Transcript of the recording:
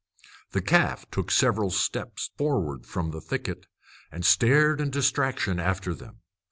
The calf took several steps forward from the thicket, and stared in distraction after them.